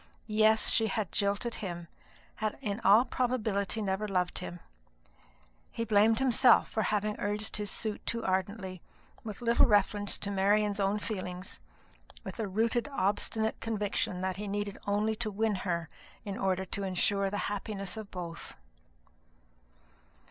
Yes, she had jilted him had in all probability never loved him. He blamed himself for having urged his suit too ardently, with little reference to Marian's own feelings, with a rooted obstinate conviction that he needed only to win her in order to insure the happiness of both.